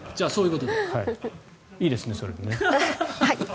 いいですね、それで。